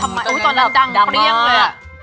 อุ้ยตอนนั้นดังมากเลยอะ